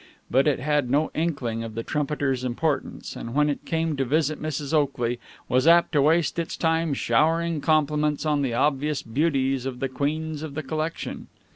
But it had no inkling of the trumpeter's importance, and, when it came to visit Mrs. Oakley, was apt to waste its time showering compliments on the obvious beauties of the queens of the collection.